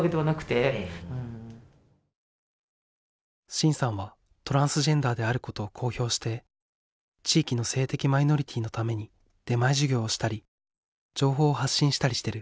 真さんはトランスジェンダーであることを公表して地域の性的マイノリティーのために出前授業をしたり情報を発信したりしてる。